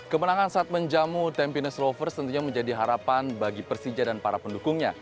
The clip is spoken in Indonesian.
kemenangan saat menjamu tampines rovers tentunya menjadi harapan bagi persija dan para pendukungnya